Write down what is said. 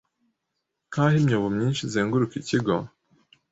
Nkaho imyobo myinshi izenguruka ikigo